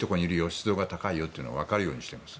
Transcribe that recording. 湿度が高いよというのをわかるようにしてます。